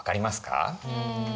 うん。